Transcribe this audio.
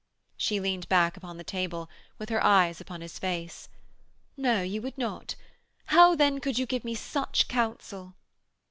She leaned back upon the table with her eyes upon his face. 'No you would not. How then could you give me such counsel?'